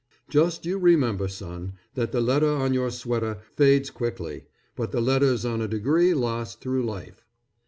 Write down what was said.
Just you remember, son, that the letter on your sweater fades quickly; but the letters on a degree last through life.